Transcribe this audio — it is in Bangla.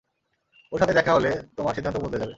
ওর সাথে দেখা হলে তোমার সিদ্ধান্ত বদলে যাবে।